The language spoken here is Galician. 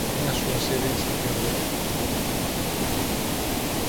Ten a súa sede en Santiago de Compostela.